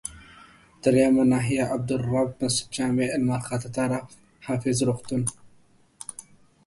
دریمه ناحيه، عبدالرب مسجدجامع لمرخاته طرف، حافظ روغتون.